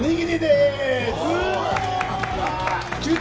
すごーい！